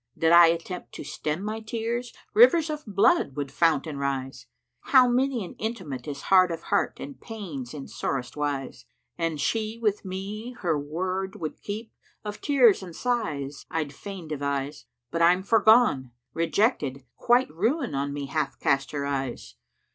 Did I attempt to stem my tears * Rivers of blood would fount and rise. How many an intimate is hard * Of heart, and pains in sorest wise! An she with me her word would keep, * Of tears and sighs I'd fain devise, But I'm forgone, rejected quite * Ruin on me hath cast her eyes.